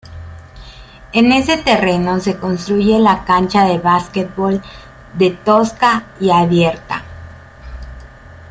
En ese terreno se construye la cancha de básquetbol, de tosca y abierta.